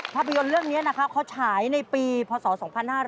ภาพยนตร์เรื่องนี้นะครับเขาฉายในปีพศ๒๕๕๙